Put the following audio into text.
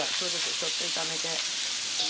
ちょっと炒めて。